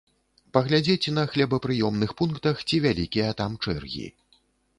Паглядзець на хлебапрыёмных пунктах, ці вялікія там чэргі.